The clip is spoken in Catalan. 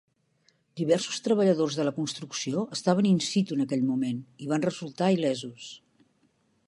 Diversos treballadors de la construcció estaven in situ en aquell moment i van resultar il·lesos.